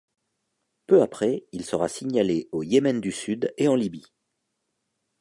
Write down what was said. Peu après, il sera signalé au Yémen du Sud et en Libye.